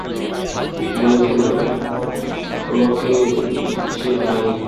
বলেছিলাম তোমাকে সে ডাইনি!